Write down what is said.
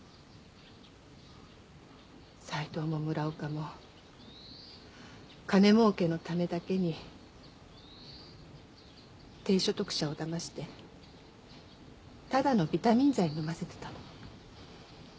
斎藤も村岡も金儲けのためだけに低所得者をだましてただのビタミン剤を飲ませてたの。